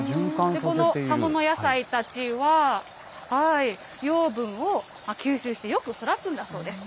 この葉物野菜たちは、養分を吸収して、よく育つんだそうです。